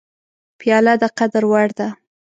پیاله د قدر وړ ده.